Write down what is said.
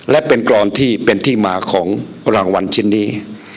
และเป็นกรอนที่เป็นที่มาของรางวัลชิ้นนี้